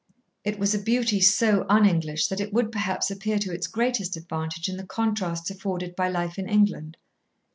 It was a beauty so un English that it would perhaps appear to its greatest advantage in the contrasts afforded by life in England.